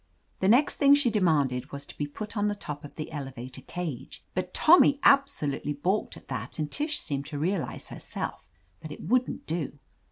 The next thing she demanded was to be put on the top of the elevator cage. But Tommy absolutely balked at that and Tish seemed to realize herself that it wouldn't do.